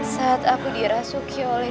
saat aku dirasuki oleh